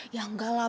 ya enggak lah